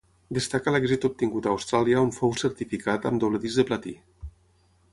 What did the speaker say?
Destaca l'èxit obtingut a Austràlia on fou certificat amb doble disc de platí.